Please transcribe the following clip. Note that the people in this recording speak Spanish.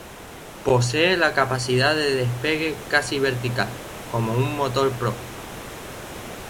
Posee la capacidad de despegue casi vertical, con un motor propio.